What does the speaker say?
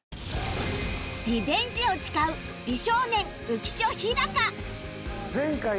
リベンジを誓う美少年浮所飛貴